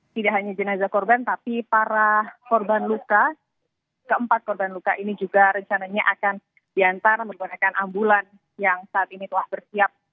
tidak hanya jenazah korban tapi para korban luka keempat korban luka ini juga rencananya akan diantar menggunakan ambulan yang saat ini telah bersiap